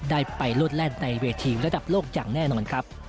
ได้ไปโลดแล่นในเวทีระดับโลกอย่างแน่นอนครับ